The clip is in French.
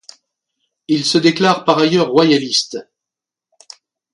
Il se déclare par ailleurs royaliste.